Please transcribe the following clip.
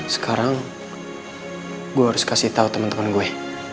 sekarang gue harus kasih tau temen temen gue